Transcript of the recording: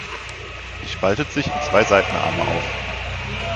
Sie spaltet sich in zwei Seitenarme auf.